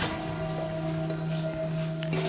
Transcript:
tidak ada apa apa